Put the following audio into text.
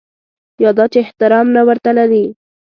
یا دا چې احترام نه ورته لري.